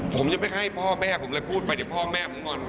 ผมยังไม่ให้พ่อแม่ผมเลยพูดไปเดี๋ยวพ่อแม่ผมก่อน